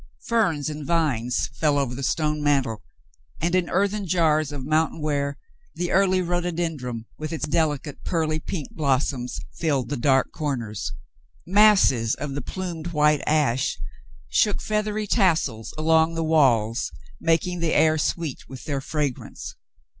Ferns and vines fell over the stone mantle, and in earthen jars of mountain ware the early rhododendron, with its delicate, pearly 148 The Mountain Girl pink blossoms, filled the dark corners. Masses of the plumed white ash shook feathery tassels along the walls, making the air sweet with their fragrance.